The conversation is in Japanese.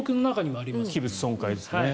器物損壊ですね。